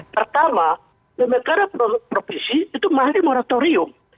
pertama memegang profesi itu makhluk moratorium